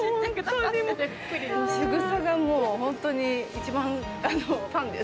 しぐさが本当に一番ファンです。